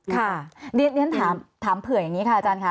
ค่ะเรียนถามเผื่ออย่างนี้ค่ะอาจารย์ค่ะ